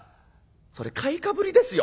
「それ買いかぶりですよ？